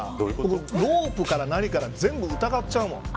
ロープから何から全部疑っちゃうもん。